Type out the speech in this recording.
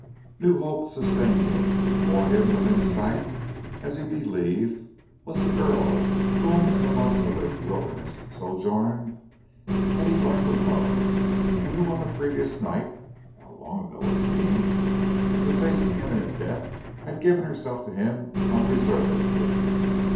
New hope sustained him; before him, within sight as he believed, was the girl, whom, in the months of their wilderness sojourn, he had learned to love, and who on the previous night (how long ago it seemed!) in the face of imminent death, had given herself to him unreservedly.